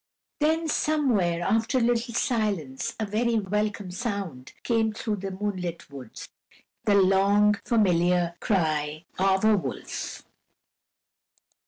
Then somewhere, after a little silence, a very welcome sound came through the moonlit woods, the long, familiar cry of a wolf.